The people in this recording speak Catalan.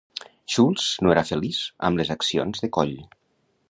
Schultz no era feliç amb les accions de Coll.